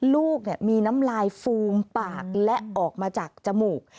ลูกมีน้ำลายฟูมปากและออกมาจากจมูก